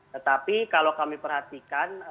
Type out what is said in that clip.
tetapi kalau kami perhatikan